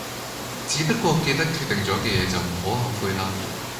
只不過記得決定左嘅野就唔好後悔啦